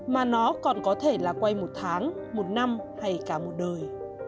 mà nó còn có thể là quay một tháng một năm hay cả một đời